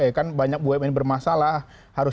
ya kan banyak bumn bermasalah harus